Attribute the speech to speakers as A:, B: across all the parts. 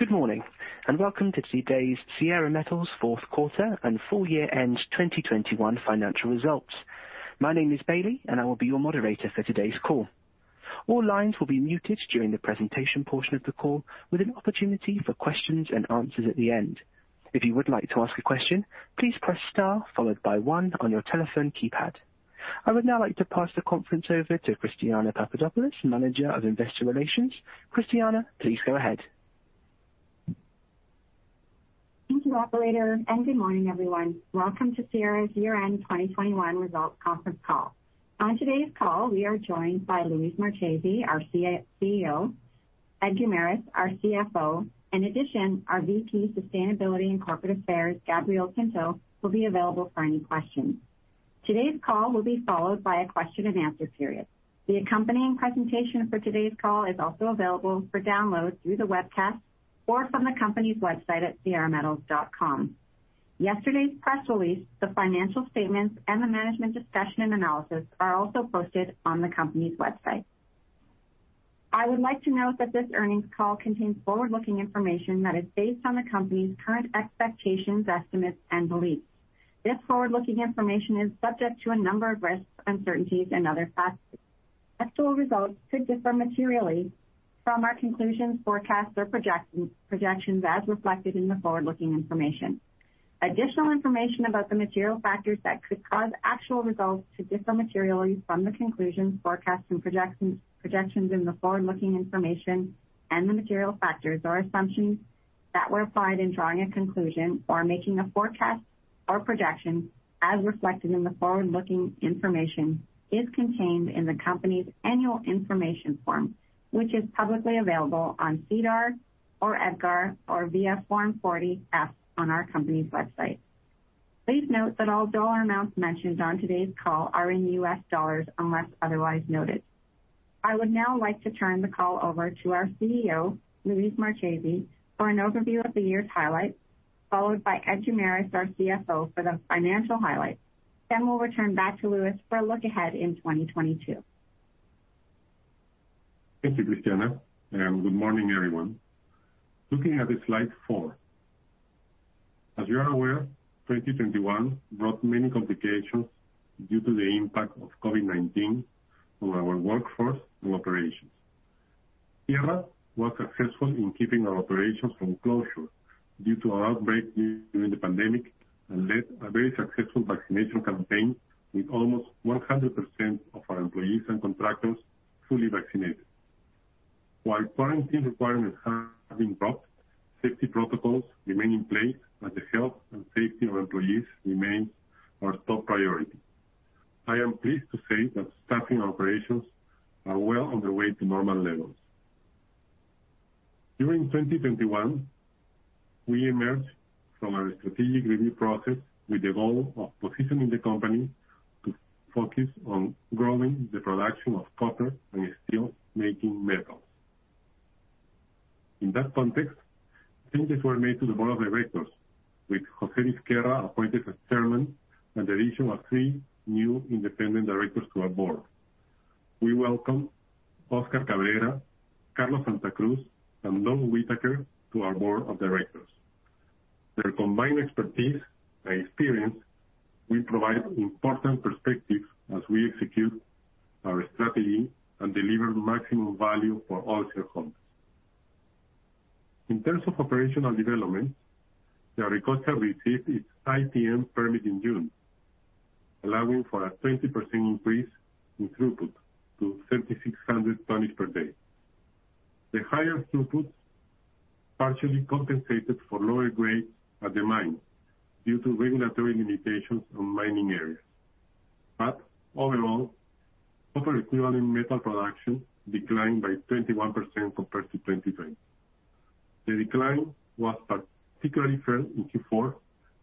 A: Good morning, and welcome to today's Sierra Metals fourth quarter and full year ended 2021 financial results. My name is Bailey, and I will be your moderator for today's call. All lines will be muted during the presentation portion of the call, with an opportunity for questions and answers at the end. If you would like to ask a question, please press star followed by one on your telephone keypad. I would now like to pass the conference over to Christina Papadopoulos, Manager of Investor Relations. Christina, please go ahead.
B: Thank you operator, and good morning, everyone. Welcome to Sierra's year-end 2021 results conference call. On today's call, we are joined by Luis Marchese, our CEO, Ed Guimaraes, our CFO. In addition, our VP, Sustainability and Corporate Affairs, Gabriel Pinto, will be available for any questions. Today's call will be followed by a question and answer period. The accompanying presentation for today's call is also available for download through the webcast or from the company's website at sierrametals.com. Yesterday's press release, the financial statements, and the management discussion and analysis are also posted on the company's website. I would like to note that this earnings call contains forward-looking information that is based on the company's current expectations, estimates and beliefs. This forward-looking information is subject to a number of risks, uncertainties and other factors. Actual results could differ materially from our conclusions, forecasts or projections as reflected in the forward-looking information. Additional information about the material factors that could cause actual results to differ materially from the conclusions, forecasts and projections in the forward-looking information and the material factors or assumptions that were applied in drawing a conclusion or making a forecast or projection as reflected in the forward-looking information is contained in the company's annual information form, which is publicly available on SEDAR or EDGAR or via Form 40-F on our company's website. Please note that all dollar amounts mentioned on today's call are in U.S. dollars, unless otherwise noted. I would now like to turn the call over to our CEO, Luis Marchese, for an overview of the year's highlights, followed by Ed Guimaraes, our CFO, for the financial highlights. We'll return back to Luis for a look ahead in 2022.
C: Thank you, Christina, and good morning, everyone. Looking at slide four. As you are aware, 2021 brought many complications due to the impact of COVID-19 on our workforce and operations. Sierra was successful in keeping our operations from closure due to an outbreak during the pandemic, and led a very successful vaccination campaign with almost 100% of our employees and contractors fully vaccinated. While quarantine requirements have been dropped, safety protocols remain in place as the health and safety of employees remains our top priority. I am pleased to say that staffing operations are well on their way to normal levels. During 2021, we emerged from our strategic review process with the goal of positioning the company to focus on growing the production of copper and steelmaking metals. In that context, changes were made to the board of directors with José Vizquerra appointed as chairman and the addition of three new independent directors to our board. We welcome Oscar Cabrera, Carlos Santa Cruz, and Dawn Whittaker to our board of directors. Their combined expertise and experience will provide important perspectives as we execute our strategy and deliver maximum value for all shareholders. In terms of operational development, Yauricocha received its ITM permit in June, allowing for a 20% increase in throughput to 7,600 tons per day. The higher throughput partially compensated for lower grades at the mine due to regulatory limitations on mining areas. Overall, copper equivalent metal production declined by 21% compared to 2020. The decline was particularly felt in Q4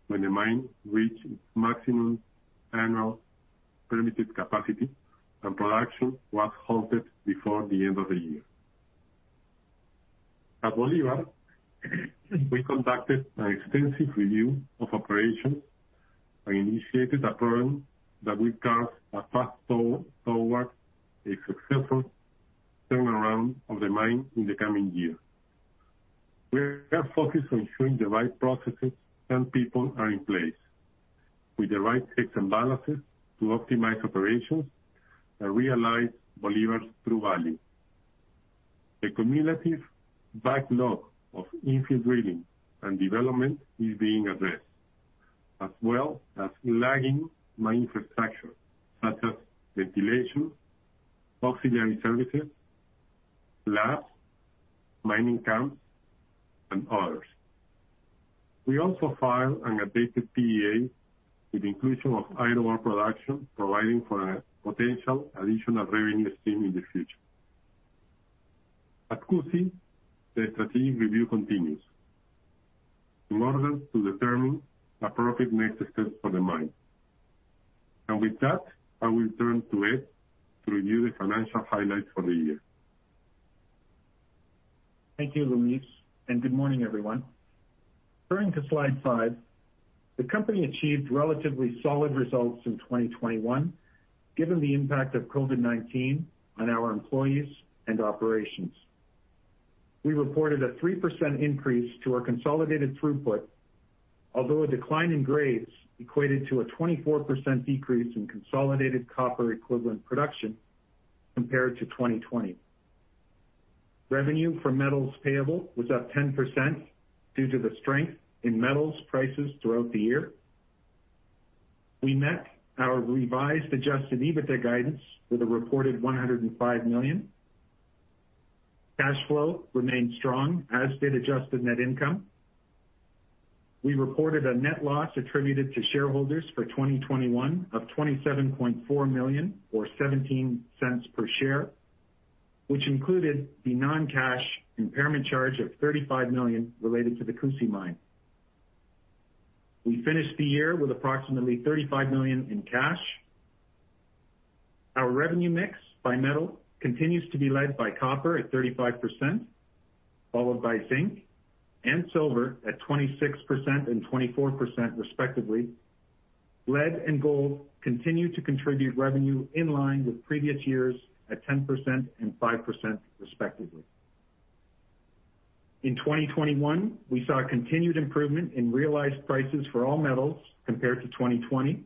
C: when the mine reached its maximum annual permitted capacity and production was halted before the end of the year. At Bolivar we conducted an extensive review of operations and initiated a program that will carve a fast track toward a successful turnaround of the mine in the coming year. We are focused on ensuring the right processes and people are in place with the right checks and balances to optimize operations and realize Bolivar's true value. The cumulative backlog of infill drilling and development is being addressed, as well as lagging mine infrastructure such as ventilation, auxiliary services, labs, mining camps, and others. We also filed an updated PEA with inclusion of iron ore production, providing for a potential additional revenue stream in the future. At Cusi, the strategic review continues in order to determine appropriate next steps for the mine. With that, I will turn to Ed to review the financial highlights for the year.
D: Thank you, Luis, and good morning, everyone. Turning to slide five, the company achieved relatively solid results in 2021, given the impact of COVID-19 on our employees and operations. We reported a 3% increase to our consolidated throughput, although a decline in grades equated to a 24% decrease in consolidated copper equivalent production compared to 2020. Revenue for metals payable was up 10% due to the strength in metals prices throughout the year. We met our revised adjusted EBITDA guidance with a reported $105 million. Cash flow remained strong, as did adjusted net income. We reported a net loss attributed to shareholders for 2021 of $27.4 million or $0.17 per share, which included the non-cash impairment charge of $35 million related to the Cusi Mine. We finished the year with approximately $35 million in cash. Our revenue mix by metal continues to be led by copper at 35%, followed by zinc and silver at 26% and 24% respectively. Lead and gold continue to contribute revenue in line with previous years at 10% and 5% respectively. In 2021, we saw a continued improvement in realized prices for all metals compared to 2020,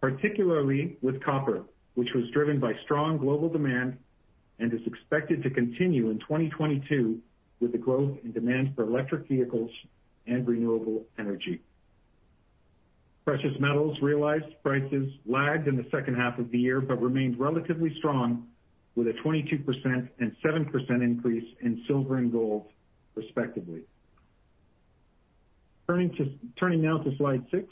D: particularly with copper, which was driven by strong global demand and is expected to continue in 2022 with the growth in demand for electric vehicles and renewable energy. Precious metals realized prices lagged in the second half of the year, but remained relatively strong with a 22% and 7% increase in silver and gold, respectively. Turning now to slide six.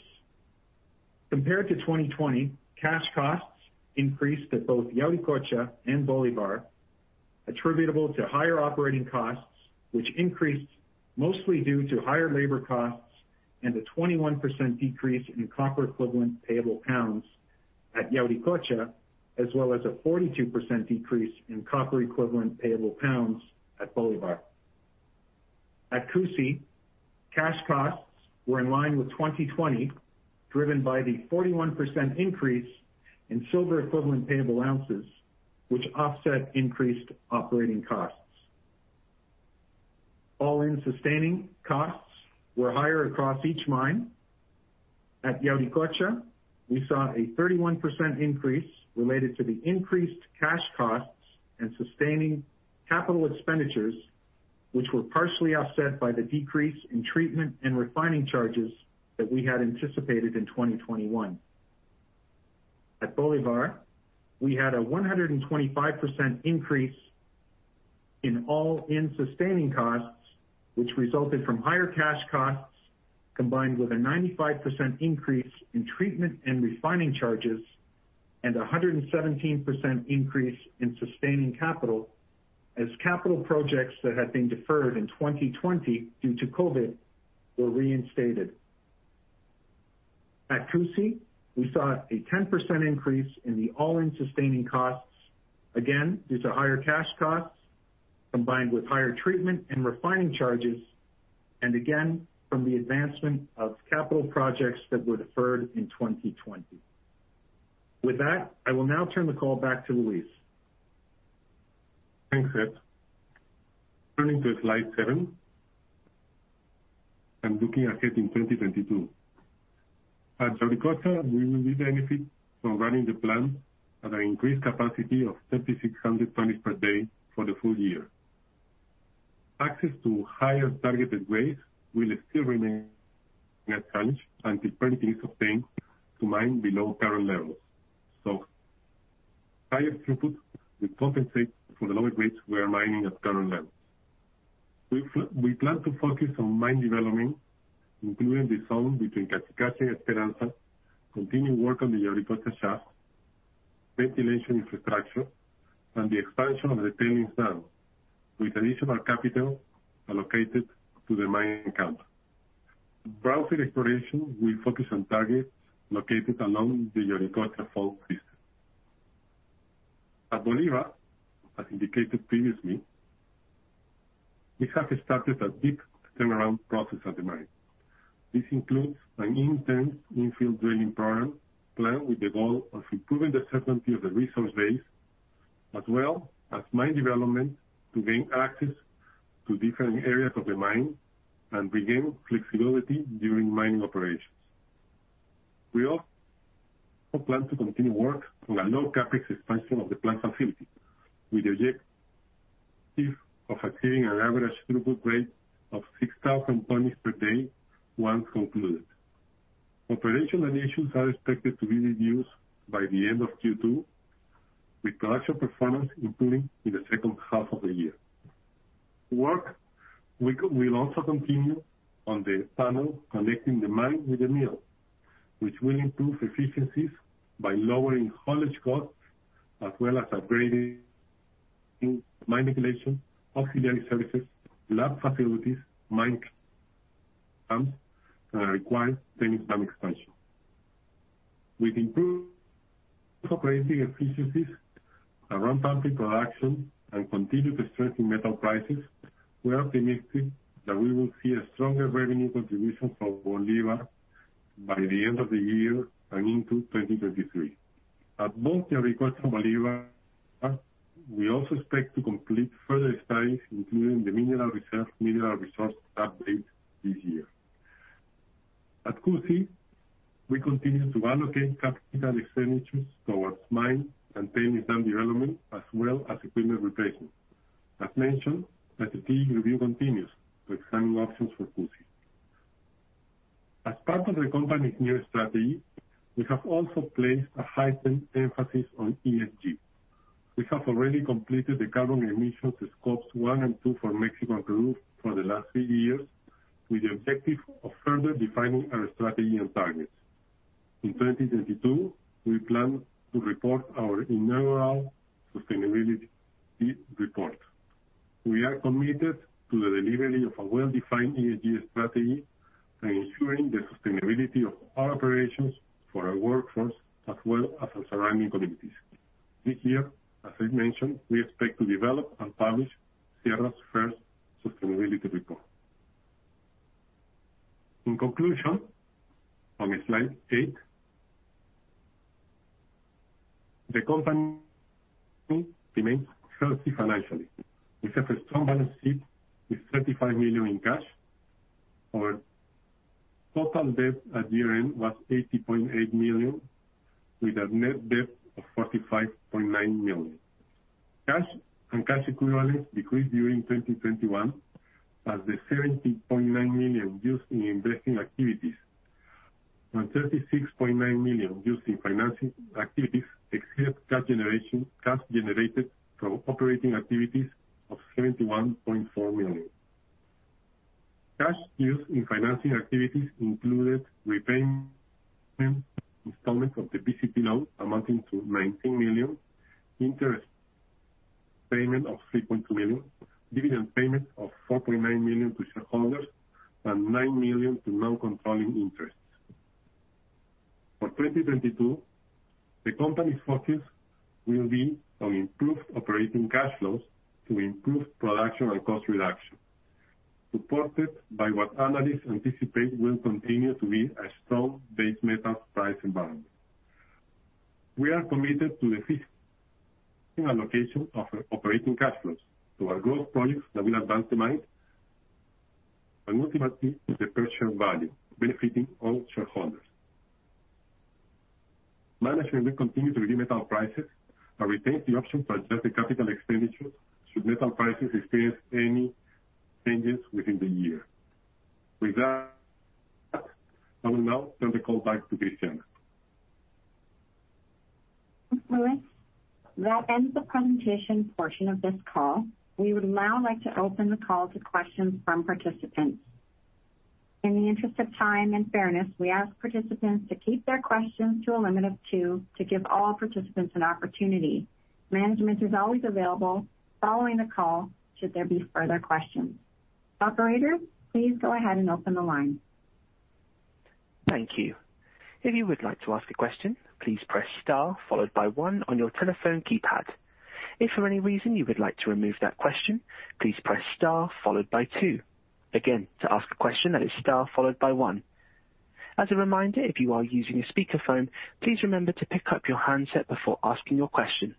D: Compared to 2020, cash costs increased at both Yauricocha and Bolivar, attributable to higher operating costs, which increased mostly due to higher labor costs and a 21% decrease in copper equivalent payable pounds at Yauricocha, as well as a 42% decrease in copper equivalent payable pounds at Bolivar. At Cusi, cash costs were in line with 2020, driven by the 41% increase in silver equivalent payable ounces, which offset increased operating costs. All-in sustaining costs were higher across each mine. At Yauricocha, we saw a 31% increase related to the increased cash costs and sustaining capital expenditures, which were partially offset by the decrease in treatment and refining charges that we had anticipated in 2021. At Bolivar, we had a 125% increase in all-in sustaining costs, which resulted from higher cash costs, combined with a 95% increase in treatment and refining charges and a 117% increase in sustaining capital as capital projects that had been deferred in 2020 due to COVID were reinstated. At Cusi, we saw a 10% increase in the all-in sustaining costs, again, due to higher cash costs combined with higher treatment and refining charges, and again, from the advancement of capital projects that were deferred in 2020. With that, I will now turn the call back to Luis.
C: Thanks, Ed. Turning to slide seven and looking ahead in 2022. At Yauricocha, we will benefit from running the plant at an increased capacity of 3600 tons per day for the full year. Access to higher targeted grades will still remain a challenge until it is obtained to mine below current levels. Higher throughput will compensate for the lower grades we are mining at current levels. We plan to focus on mine development, including the zone between Cachi Cachi and Esperanza, continue work on the Yauricocha shaft, ventilation infrastructure, and the expansion of the tailings zone, with additional capital allocated to the mine CapEx. Brownfield exploration will focus on targets located along the Yauricocha fault system. At Bolivar, as indicated previously, we have started a big turnaround process at the mine. This includes an intense infill drilling program planned with the goal of improving the certainty of the resource base, as well as mine development to gain access to different areas of the mine and regain flexibility during mining operations. We also plan to continue work on a low CapEx expansion of the plant facility, with the objective of achieving an average throughput rate of 6,000 tons per day once concluded. Operational initiatives are expected to be reduced by the end of Q2, with production performance improving in the second half of the year. We'll also continue on the tunnel connecting the mine with the mill, which will improve efficiencies by lowering haulage costs as well as upgrading mine ventilation, auxiliary services, lab facilities, mine camps that require the expansion. With improved operating efficiencies around factory production and continued strength in metal prices, we are optimistic that we will see a stronger revenue contribution from Bolivar by the end of the year and into 2023 [At both Yauricocha and Bolivar, we also expect to complete further studies, including the mineral reserve-mineral resource update this year. At Cusi, we continue to allocate capital expenditures towards mine and tailings dam development, as well as equipment replacement. As mentioned, our strategic review continues to examine options for Cusi]. [As part of the Company’s new strategy, we have also placed a heightened emphasis on ESG. We have already completed a carbon emissions Scopes 1 and 2 for Mexico and Peru for the last three years with the objective of further defining our strategy and targets. In 2022, we plan to report our inaugural sustainability report. We are committed to the delivery of a well defined ESG strategy and ensuring the sustainability of our operations for our workforce as well as the surrounding communities. This year, as I mentioned, we expect to develop and publish Sierra’s first sustainability report.] [In conclusion, on slide eight, the Company remains healthy financially. We have a strong a balance sheet with $35 million in cash. Our total debt at year-end was $80.8 million with a net debt of $45.9 million. Cash and cash equivalents decreased during 2021 as the $70.9 million used in investing activities and $36.9 million used in financing activities exceeded cash generated from operating activities of $71.4 million. Cash used in financing activities included repayment installments of the PCP loan amounting to $19 million, interest payments of $3.2 million, dividend payments of $4.9 million to shareholders, and $9 million to non-controlling interests.] [For 2022, the Company’s focus will be on improved operating cash flows to improve production and cost reduction to profit by what analysts anticipate will continue to be a strong base metal price environment.] [We are committed to the disciplined allocation of our operating cash flows to our growth projects that will advance the mines and ultimately the per-share value benefiting all shareholders. Management will continue to review metal prices and retains the option for adjusted capital expenditures should metal prices experience any changes within the year. With that, I will now turn the call back to Christiana.]
B: [Thanks Luis. That ends the presentation portion of this call. We would now like to open the call to questions from participants. In the interests of time and fairness, we ask participants to keep their questions to a limit of two to give all participants an opportunity. Management is always available following the call should there be further questions. Operator, please go ahead and open the lines.]
A: [Thank you. If you'd like to ask a question, please press star followed by one on your telephone keypad. If for any reason you'd like to remove that question, please press star followed by two. Again, to ask a question, that is star followed by one. As a reminder, if you are using a speakerphone, please remember to pick up your handset before asking your question.]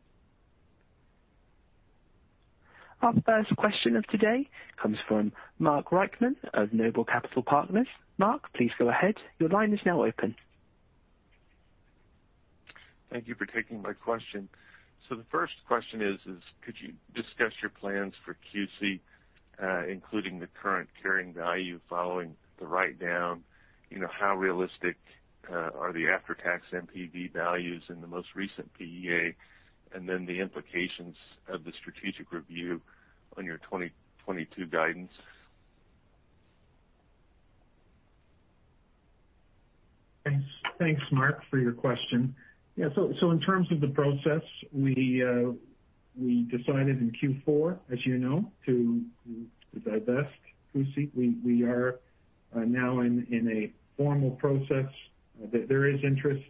A: Our first question of today comes from Mark Reichman of Noble Capital Markets. Mark, please go ahead. Your line is now open.
E: Thank you for taking my question. The first question is, could you discuss your plans for Cusi, including the current carrying value following the write-down? You know, how realistic are the after-tax NPV values in the most recent PEA? And then the implications of the strategic review on your 2022 guidance.
D: Thanks, Mark for your question. Yeah. In terms of the process, we decided in Q4, as you know, to divest Cusi. We are now in a formal process that there is interest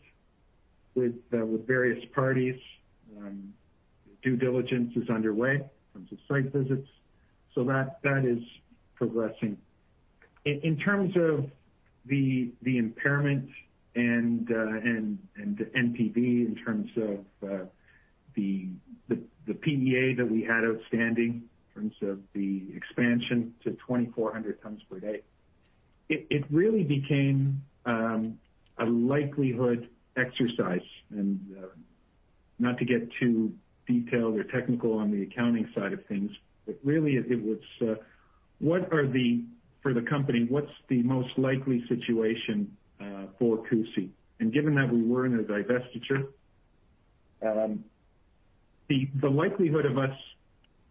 D: with various parties. Due diligence is underway in terms of site visits. That is progressing. In terms of the impairment and the NPV in terms of the PEA that we had outstanding in terms of the expansion to 2,400 tons per day, it really became a likelihood exercise and not to get too detailed or technical on the accounting side of things, but really it was for the company, what's the most likely situation for Cusi? Given that we were in a divestiture, the likelihood of us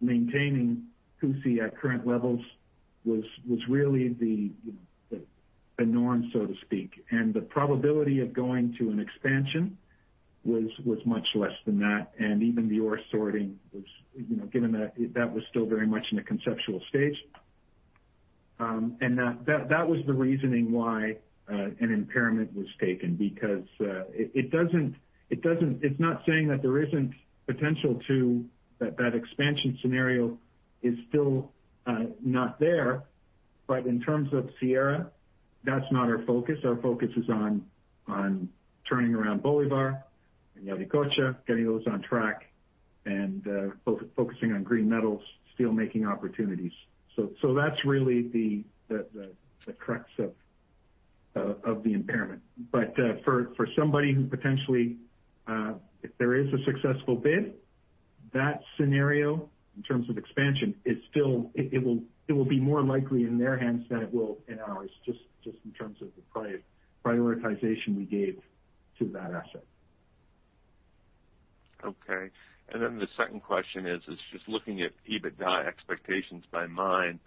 D: maintaining Cusi at current levels was really the norm, you know, so to speak. The probability of going to an expansion was much less than that, and even the ore sorting was, you know, given that that was still very much in the conceptual stage. That was the reasoning why an impairment was taken because it's not saying that there isn't potential. That expansion scenario is still not there. In terms of Sierra, that's not our focus. Our focus is on turning around Bolivar and Yauricocha, getting those on track and focusing on green metals, steelmaking opportunities. That's really the crux of the impairment. For somebody who potentially, if there is a successful bid, that scenario in terms of expansion is still. It will be more likely in their hands than it will in ours, just in terms of the prioritization we gave to that asset.
E: Okay. The second question is just looking at EBITDA expectations by mine,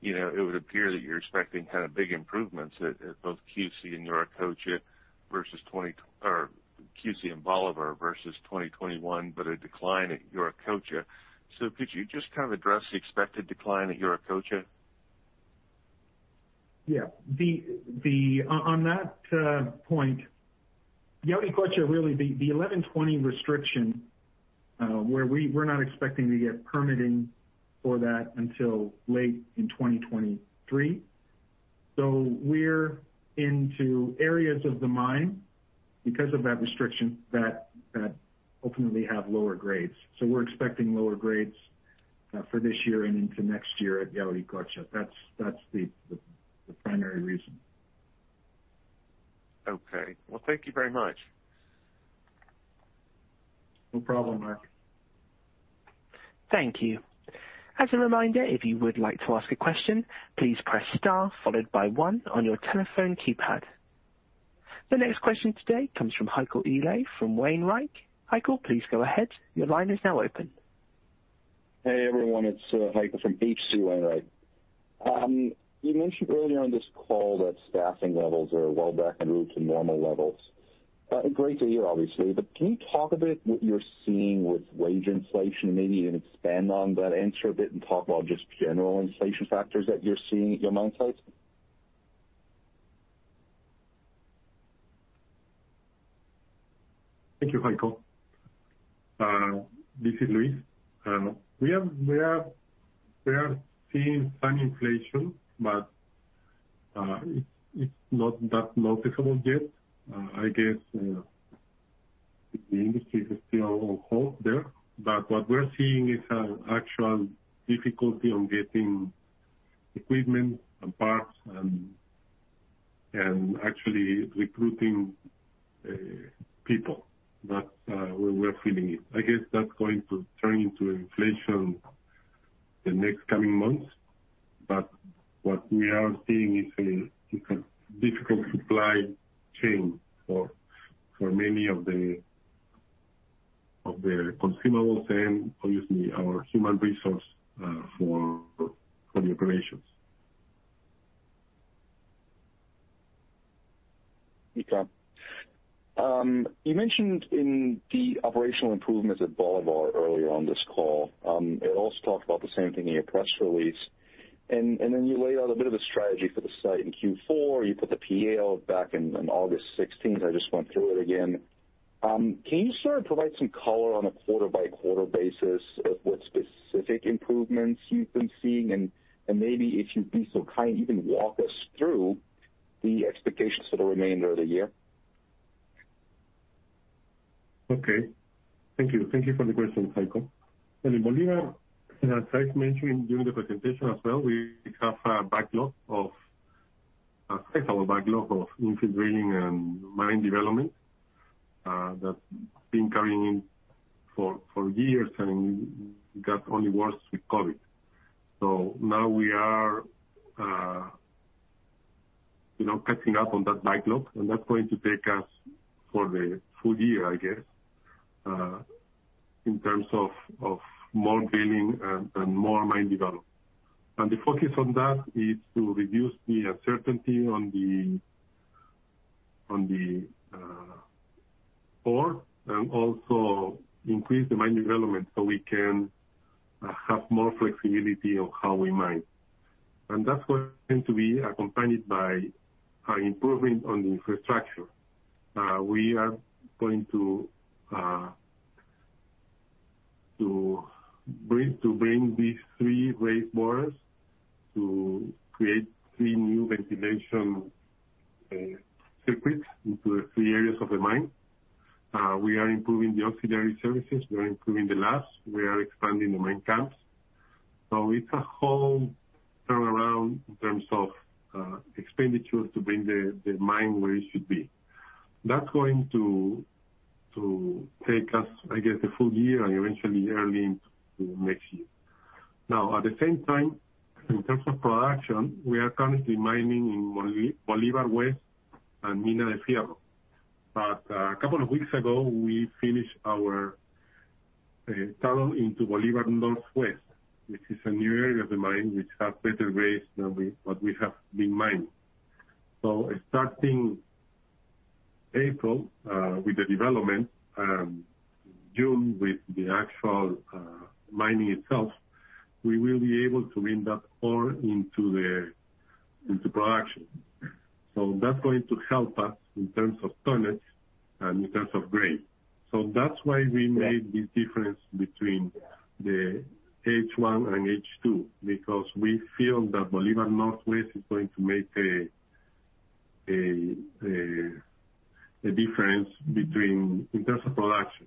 E: you know, it would appear that you're expecting kind of big improvements at both Cusi and Bolivar versus 2021, but a decline at Yauricocha. Could you just kind of address the expected decline at Yauricocha?
D: Yeah. On that point, Yauricocha really, the 1120 level restriction, where we're not expecting to get permitting for that until late in 2023. We're into areas of the mine because of that restriction that ultimately have lower grades. We're expecting lower grades for this year and into next year at Yauricocha. That's the primary reason.
E: Okay. Well, thank you very much.
D: No problem, Mark.
A: Thank you. As a reminder, if you would like to ask a question, please press star followed by one on your telephone keypad. The next question today comes from Heiko Ihle from H.C. Wainwright. Heiko, please go ahead. Your line is now open.
F: Hey, everyone, it's Heiko from H.C. Wainwright. You mentioned earlier on this call that staffing levels are well back en route to normal levels. Great to hear obviously, but can you talk a bit about what you're seeing with wage inflation? Maybe even expand on that answer a bit and talk about just general inflation factors that you're seeing at your mine sites.
C: Thank you, Heiko. This is Luis. We are seeing some inflation, but it's not that noticeable yet. I guess the industry is still on hold there. What we're seeing is an actual difficulty on getting equipment and parts and actually recruiting people. That's where we're feeling it. I guess that's going to turn into inflation the next coming months. What we are seeing is a difficult supply chain for many of the consumables and, excuse me, our human resource for the operations.
F: Okay. You mentioned the operational improvements at Bolivar earlier on this call. It also talked about the same thing in your press release. Then you laid out a bit of a strategy for the site in Q4. You put the PEA out back in August sixteenth. I just went through it again. Can you sort of provide some color on a quarter-by-quarter basis of what specific improvements you've been seeing? Maybe if you'd be so kind, even walk us through the expectations for the remainder of the year.
C: Okay. Thank you. Thank you for the question, Heiko. In Bolivar, as I mentioned during the presentation as well, we have a considerable backlog of infill drilling and mine development that's been carrying over for years and got only worse with COVID. Now we are, you know, catching up on that backlog, and that's going to take us for the full year, I guess, in terms of more drilling and more mine development. The focus on that is to reduce the uncertainty on the ore and also increase the mine development so we can have more flexibility on how we mine. That's going to be accompanied by improvement on the infrastructure. We are going to bring these three raise borers to create three new ventilation circuits into the three areas of the mine. We are improving the auxiliary services. We are improving the labs. We are expanding the mine camps. It's a whole turnaround in terms of expenditures to bring the mine where it should be. That's going to take us, I guess, a full year and eventually early into next year. Now, at the same time, in terms of production, we are currently mining in Bolivar West and Mina de Fierro. A couple of weeks ago, we finished our tunnel into Bolivar Northwest. This is a new area of the mine which have better grades than what we have been mining. Starting in April with the development, in June with the actual mining itself, we will be able to bring that ore into production. That's going to help us in terms of tonnage and in terms of grade. That's why we made the difference between H1 and H2, because we feel that Bolivar Northwest is going to make a difference in terms of production.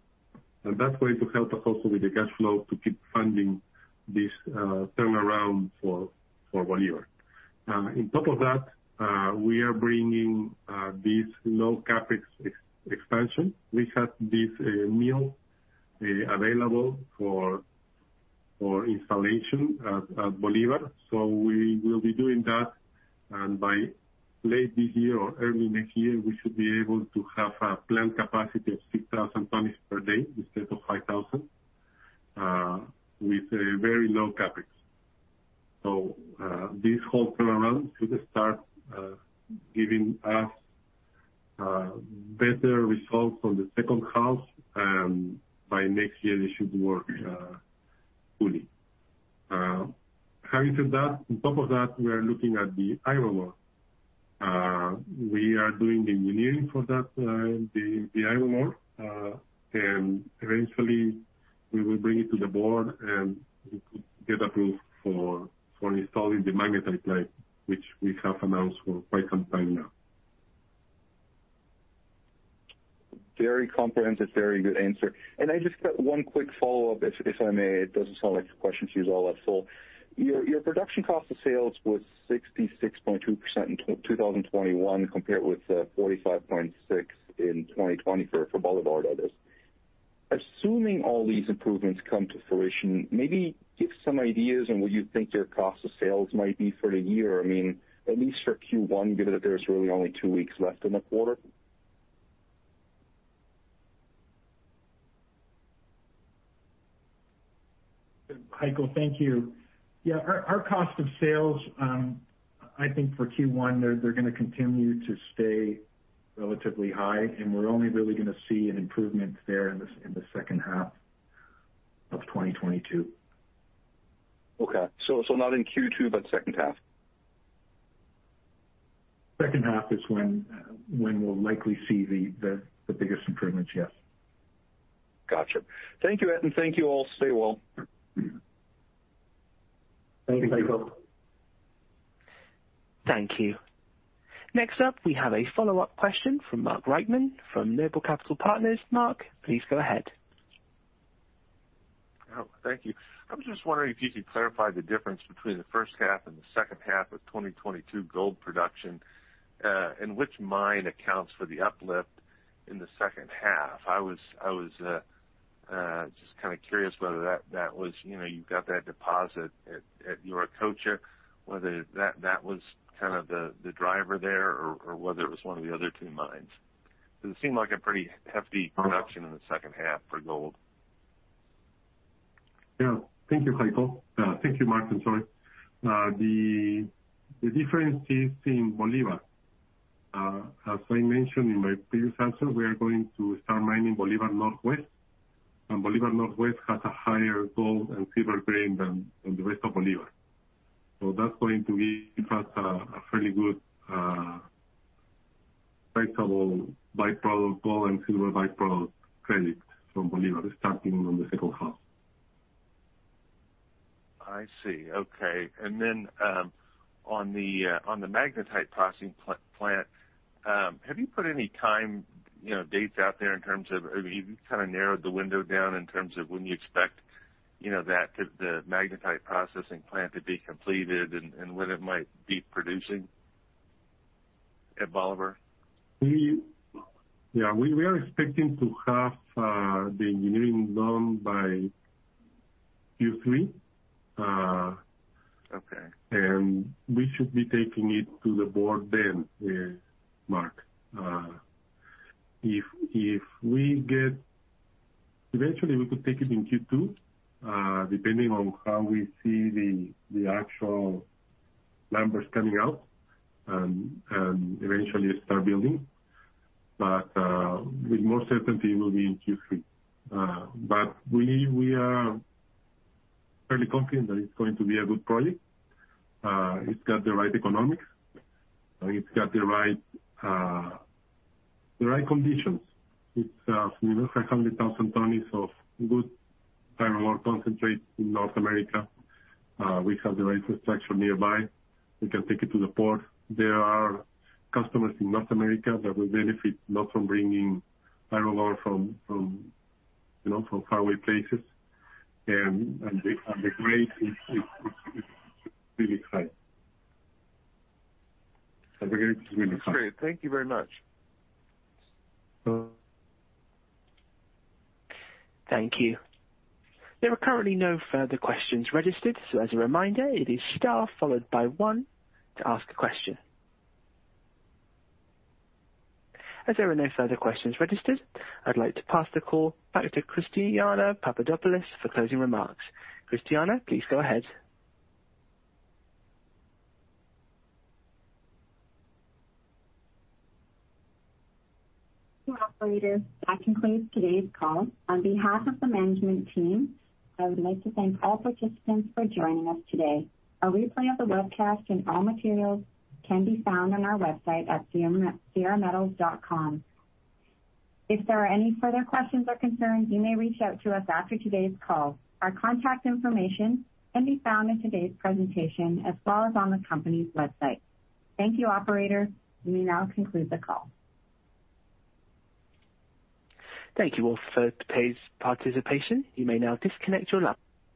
C: That's going to help us also with the cash flow to keep funding this turnaround for Bolivar. On top of that, we are bringing this low CapEx expansion. We have this mill available for installation at Bolivar. We will be doing that, and by late this year or early next year, we should be able to have a plant capacity of 6,000 tons per day instead of 5,000 tons, with a very low CapEx. This whole turnaround should start giving us better results on the second half, and by next year it should work fully. Having said that, on top of that, we are looking at the iron ore. We are doing the engineering for that, the iron ore. Eventually we will bring it to the board, and we could get approved for installing the magnetite plant, which we have announced for quite some time now.
F: Very comprehensive, very good answer. I just got one quick follow-up, if I may. It doesn't sound like the questions use all that. Your production cost of sales was 66.2% in 2021, compared with 45.6% in 2020 for Bolivar, that is. Assuming all these improvements come to fruition, maybe give some ideas on what you think your cost of sales might be for the year. I mean, at least for Q1, given that there's really only two weeks left in the quarter.
D: Heiko, thank you. Yeah. Our cost of sales, I think for Q1, they're gonna continue to stay relatively high, and we're only really gonna see an improvement there in the second half of 2022.
F: Not in Q2, but second half.
D: Second half is when we'll likely see the biggest improvements. Yes.
F: Gotcha. Thank you, Ed, and thank you all. Stay well.
C: Thank you.
D: Thank you.
A: Thank you. Next up, we have a follow-up question from Mark Reichman from Noble Capital Markets. Mark, please go ahead.
E: Oh, thank you. I was just wondering if you could clarify the difference between the first half and the second half of 2022 gold production, and which mine accounts for the uplift in the second half. I was just kinda curious whether that was, you know, you've got that deposit at Yauricocha, whether that was kind of the driver there or whether it was one of the other two mines. It seemed like a pretty hefty production in the second half for gold.
C: Yeah. Thank you, Heiko. Thank you, Mark. I'm sorry. The difference is in Bolivar. As I mentioned in my previous answer, we are going to start mining Bolivar Northwest. Bolivar Northwest has a higher gold and silver grade than the rest of Bolivar. That's going to give us a fairly good profitable byproduct, gold and silver byproduct credit from Bolivar starting on the second half.
E: I see. Okay. On the magnetite processing plant, have you put any time, you know, dates out there in terms of. Have you kind of narrowed the window down in terms of when you expect, you know, that to the magnetite processing plant to be completed and when it might be producing at Bolivar?
C: Yeah, we are expecting to have the engineering done by Q3.
E: Okay.
C: We should be taking it to the board then, Mark. Eventually, we could take it in Q2, depending on how we see the actual numbers coming out and eventually start building. With more certainty it will be in Q3. We are fairly confident that it's going to be a good project. It's got the right economics, and it's got the right conditions. It's, you know, 500,000 tons of good iron ore concentrate in North America. We have the right infrastructure nearby. We can take it to the port. There are customers in North America that will benefit not from bringing iron ore from, you know, from faraway places. The grade is really high. Again, it's really high.
E: That's great. Thank you very much.
C: Uh-
A: Thank you. There are currently no further questions registered, so as a reminder, it is star followed by one to ask a question. As there are no further questions registered, I'd like to pass the call back to Christina Papadopoulos for closing remarks. Christina, please go ahead.
B: Thank you, operator. That concludes today's call. On behalf of the management team, I would like to thank all participants for joining us today. A replay of the webcast and all materials can be found on our website at sierrametals.com. If there are any further questions or concerns, you may reach out to us after today's call. Our contact information can be found in today's presentation, as well as on the company's website. Thank you, operator. You may now conclude the call.
A: Thank you all for today's participation. You may now disconnect your line.